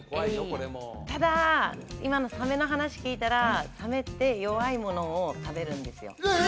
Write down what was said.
これもただ今のサメの話聞いたらサメって弱いものを食べるんですよえ！